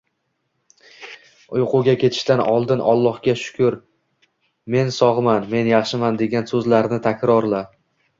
Uyquga ketishdan oldin “Allohga shukr, men sog‘man, men yaxshiman”, degan so‘zlarni takrorla.